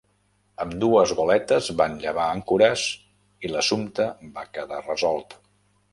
Ambdues goletes van llevar àncores i l'assumpte va quedar resolt.